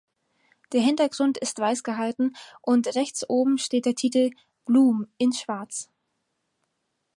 Der Hintergrund ist weiß gehalten und rechts oben steht der Titel "bloom" in Schwarz.